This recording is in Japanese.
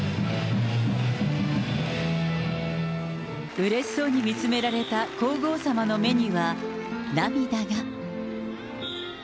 うれしそうに見つめられた皇后さまの目には、涙が。